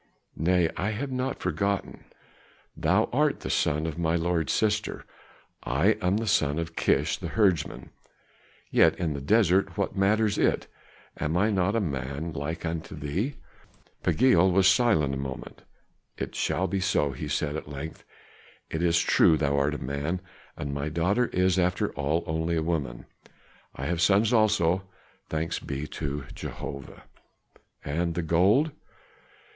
"Nay, I have not forgotten; thou art the son of my lord's sister, I am the son of Kish the herdsman. Yet in the desert what matters it, am I not a man like unto thee?" Pagiel was silent a moment. "It shall be so," he said at length. "It is true thou art a man, and my daughter is, after all, only a woman; I have sons also, thanks be to Jehovah!" "And the gold?"